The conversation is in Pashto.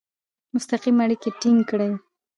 مستقیم اړیکي ټینګ کړي.